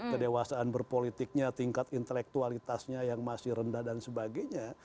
kedewasaan berpolitiknya tingkat intelektualitasnya yang masih rendah dan sebagainya